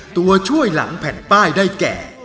ตัวช่วยหลังแผ่นป้ายได้แก่